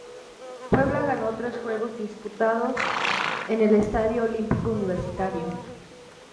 Puebla ganó los tres juegos disputados en el Estadio Olímpico Universitario.